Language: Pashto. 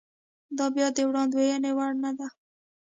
دا بیا د وړاندوېنې وړ نه ده.